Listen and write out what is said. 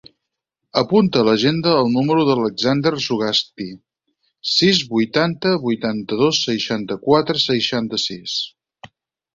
Apunta a l'agenda el número de l'Alexander Zugasti: sis, vuitanta, vuitanta-dos, seixanta-quatre, seixanta-sis.